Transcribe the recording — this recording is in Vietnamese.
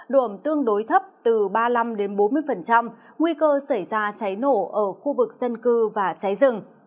độ ẩm tương đối thấp từ ba mươi năm bốn mươi nguy cơ xảy ra cháy nổ ở khu vực dân cư và cháy rừng